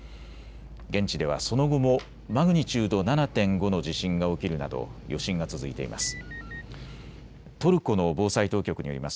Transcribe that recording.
現地ではその後もマグニチュード７．５の地震が起きるなど余震が続いています。